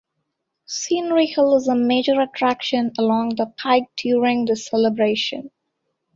Scenery Hill is a major attraction along the pike during this celebration.